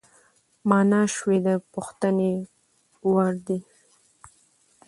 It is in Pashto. مانا شوی د پوښتنې وړدی،